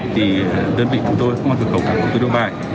thì đơn vị của tôi ngôn ngữ cổng của quốc tế nội bài